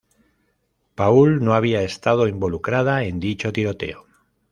Paul no había estado involucrada en dicho tiroteo.